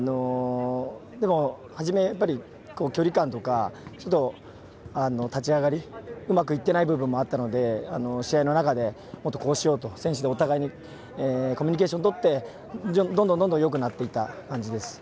でも、初めは距離感とか立ち上がりうまくいっていない部分もあったので試合の中でもっとこうしようと選手でお互いコミュニケーションをとってどんどんよくなった感じです。